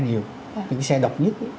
nhiều những cái xe độc nhất